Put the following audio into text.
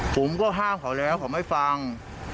ผมก็ห้ามเขาแล้วเขาไม่ฟัง